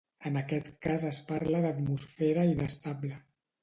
En aquest cas es parla d'atmosfera inestable.